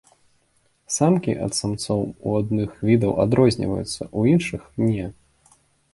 Самкі ад самцоў у адных відаў адрозніваюцца, у іншых не.